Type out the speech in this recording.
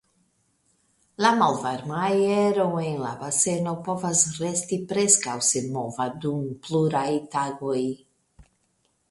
La malvarma aero en la baseno povas resti preskaŭ senmova dum pluraj tagoj.